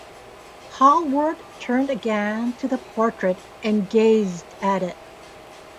Hallward turned again to the portrait and gazed at it.